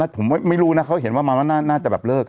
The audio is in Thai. ผมไม่รู้นะเขาเห็นว่ามาว่าน่าจะแบบเลิก